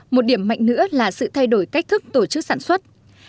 một điểm mạnh nữa là sự thay đổi cách thức tổ chức sản xuất